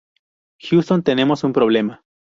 Houston, tenemos un problema